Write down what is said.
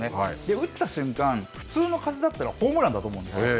打った瞬間、普通の風だったらホームランだと思うんですよ。